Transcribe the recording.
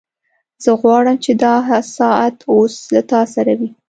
زه غواړم چې دا ساعت اوس له تا سره وي